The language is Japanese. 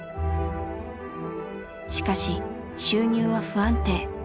しかし収入は不安定。